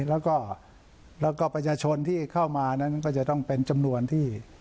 แล้วก็ประชาชนที่เข้ามานั้นก็จะต้องเป็นจำนวนที่